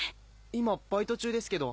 今バイト中ですけど。